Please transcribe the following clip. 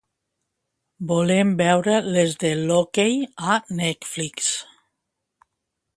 Volem veure "Les de l'hoquei" a Netflix.